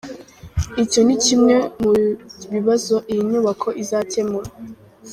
Icyo ni kimwe mu bibazo iyi nyubako izakemura.